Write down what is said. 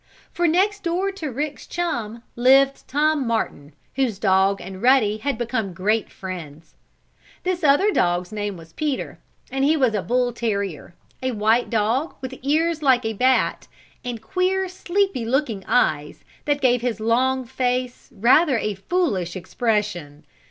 For next door to Rick's chum lived Tom Martin, whose dog and Ruddy had become great friends. This other dog's name was Peter, and he was a bull terrier, a white dog, with ears like a bat, and queer, sleepy looking eyes that gave his long face rather a foolish expression.